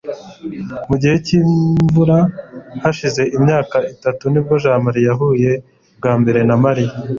mu gihe cyimvura hashize imyaka itatu nibwo jamali yahuye bwa mbere na mariya